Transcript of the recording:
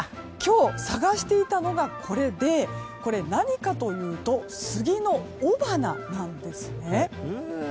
今日、探していたのがこれで何かというとスギの雄花なんですね。